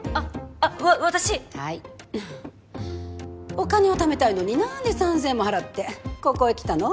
お金をためたいのに何で３，０００円も払ってここへ来たの？